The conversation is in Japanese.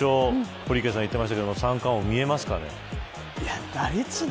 堀池さん言っていましたが三冠王見えますかね。